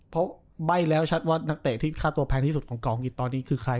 เพราะใบ้แล้วชัดว่านักเตะที่ค่าตัวแพงที่สุดของเกาะอังกฤษตอนนี้คือใคร